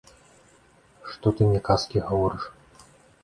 Што ты мне казкі гаворыш?